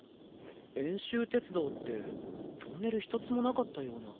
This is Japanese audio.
遠州鉄道ってトンネル１つもなかったような。